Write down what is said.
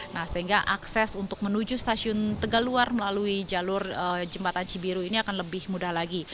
nah sehingga akses untuk menuju stasiun tegaluar melalui jalur jembatan cibiru ini akan lebih mudah lagi